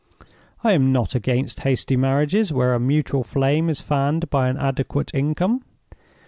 I am not against hasty marriages where a mutual flame is fanned by an adequate income.